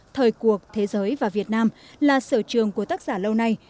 thời cuộc thế giới và việt nam là sở trường của tác giả lâu nay